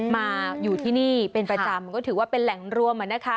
มาอยู่ที่นี่เป็นประจำก็ถือว่าเป็นแหล่งรวม